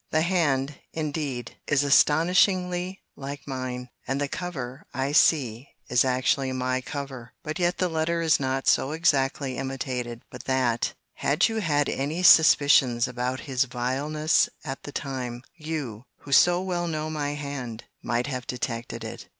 The hand, indeed, is astonishingly like mine; and the cover, I see, is actually my cover: but yet the letter is not so exactly imitated, but that, (had you had any suspicions about his vileness at the time,) you, who so well know my hand, might have detected it.